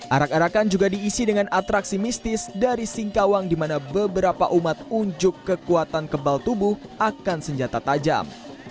arak arakan juga diisi dengan atraksi mistis dari singkawang di mana beberapa umat unjuk kekuatan kebal tubuh akan senjata tajam